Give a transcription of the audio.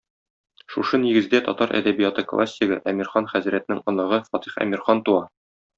Шушы нигездә татар әдәбияты классигы, Әмирхан хәзрәтнең оныгы Фатих Әмирхан туа.